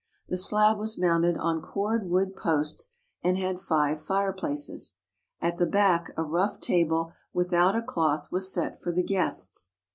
The slab was mounted on cord wood posts and had five fireplaces. At the back a rough table without a cloth was set for the guests.